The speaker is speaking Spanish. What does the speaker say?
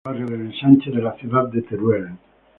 Situado en el barrio del ensanche de la ciudad de Teruel.